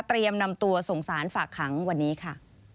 เตรียมนำตัวสงสารฝากหังวันนี้ค่ะ